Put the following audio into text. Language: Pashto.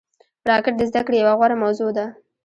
راکټ د زده کړې یوه غوره موضوع ده